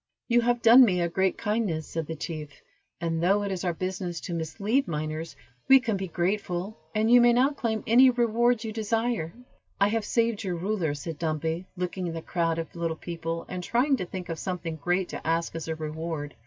"You have done me a great kindness," said the chief; "and, though it is our business to mislead miners, we can be grateful, and you may now claim any reward you desire." "I have saved your ruler," said Dumpy, looking at the crowd of little people, and trying to think of something great to ask as a reward.